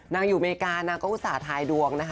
อยู่อเมริกานางก็อุตส่าห์ดวงนะคะ